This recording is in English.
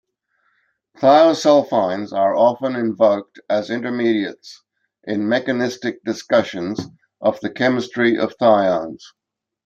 Thiosulfines are often invoked as intermediates in mechanistic discussions of the chemistry of thiones.